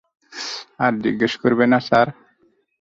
আর জিজ্ঞেস করবে না, স্যার?